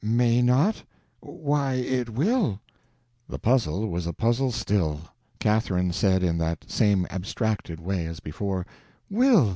"May not? Why, it will." The puzzle was a puzzle still. Catherine said in that same abstracted way as before: "Will.